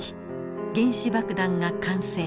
原子爆弾が完成。